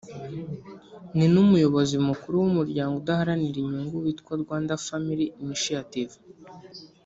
ni n’Umuyobozi Mukuru w’Umuryango udaharanira inyungu witwa Rwanda Family Initiative